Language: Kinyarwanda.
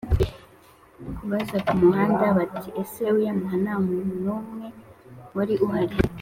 kubaza Kamuhanda bati: “Ese uyamuha nta muntu n’umwe wari uhari